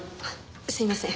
すいません。